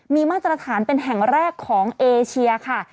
มีมาตรฐานเป็นแห่งแรกของเอเชียค่ะ